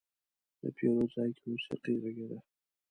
د پیرود ځای کې موسيقي غږېده.